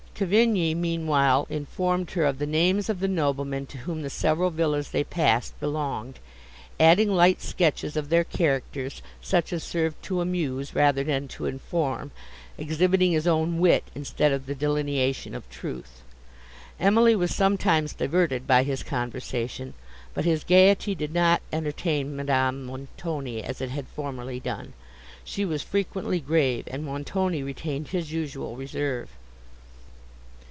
Cavigni, meanwhile, informed her of the names of the noblemen to whom the several villas they passed belonged, adding light sketches of their characters, such as served to amuse rather than to inform, exhibiting his own wit instead of the delineation of truth. Emily was sometimes diverted by his conversation; but his gaiety did not entertain Madame Montoni, as it had formerly done; she was frequently grave, and Montoni retained his usual reserve.